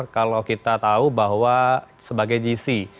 kalau kita tahu bahwa sebagai gc